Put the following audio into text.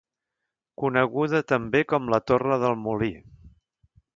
Coneguda també com la Torre del Molí.